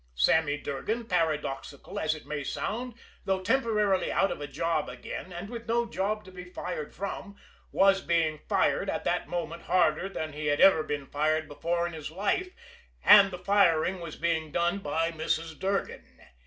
Sammy Durgan, paradoxical as it may sound, though temporarily out of a job again and with no job to be fired from, was being fired at that moment harder than he had ever been fired before in his life and the firing was being done by Mrs. Durgan.